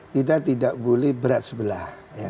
kita tidak boleh berat sebelah